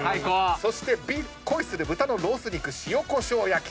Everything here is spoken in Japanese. そしてＢ恋する豚のロース肉塩コショー焼き。